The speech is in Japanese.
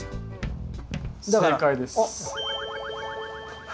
正解です。